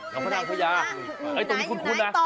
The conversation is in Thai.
สำรวจพระนางพระยา